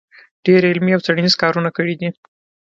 ډېر علمي او څېړنیز کارونه کړي دی